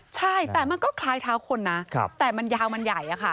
ใช่แต่มันก็คล้ายเท้าคนนะแต่มันยาวมันใหญ่อะค่ะ